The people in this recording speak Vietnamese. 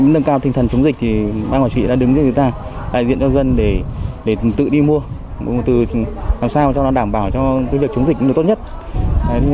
nâng cao tinh thần chống dịch thì ban quản trị đã đứng giữa người ta